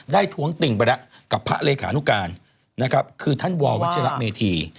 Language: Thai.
ท้วงติ่งไปแล้วกับพระเลขานุการนะครับคือท่านววัชระเมธี